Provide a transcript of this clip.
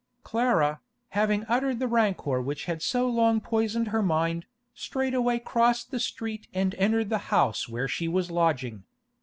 Clara, having uttered the rancour which had so long poisoned her mind, straightway crossed the street and entered the house where she was lodging.